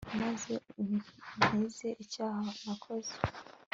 maze unkize icyaha nakoze